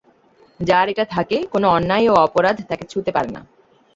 যার এটা থাকে, কোনো অন্যায় ও অপরাধ তাঁকে ছুঁতে পারে না।